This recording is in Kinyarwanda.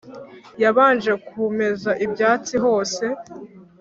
yabanje kumeza ibyatsi hose